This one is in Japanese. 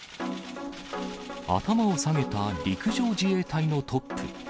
頭を下げた陸上自衛隊のトップ。